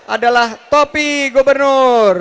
adalah topi gubernur